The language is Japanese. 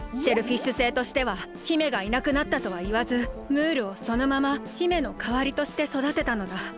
シェルフィッシュ星としては姫がいなくなったとはいわずムールをそのまま姫のかわりとしてそだてたのだ。